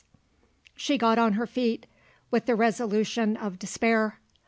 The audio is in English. She got on her feet, with the resolution of despair.